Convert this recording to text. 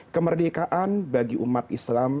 kemerdekaan bagi umat islam